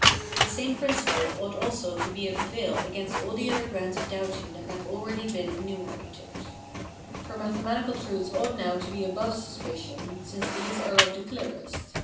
The same principle ought also to be of avail against all the other grounds of doubting that have been already enumerated. For mathematical truths ought now to be above suspicion, since these are of the clearest.